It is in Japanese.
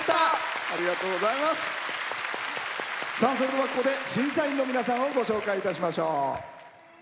それではここで審査員の皆さんをご紹介いたしましょう。